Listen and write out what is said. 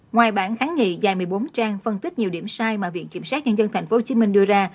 ngoài bản kháng nghị dài một mươi bốn trang phân tích nhiều điểm sai mà viện kiểm sát nhân dân tp hcm đưa ra